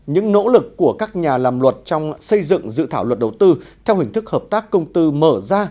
những nỗ lực của các nhà làm luật trong xây dựng dự thảo luật đầu tư theo hình thức hợp tác công tư mở ra